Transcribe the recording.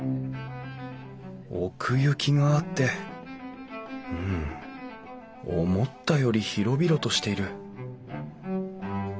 奥行きがあってうん思ったより広々としている